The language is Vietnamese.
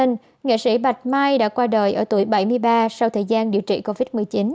nghệ sĩ bạch mai đã qua đời ở tuổi bảy mươi ba sau thời gian điều trị covid một mươi chín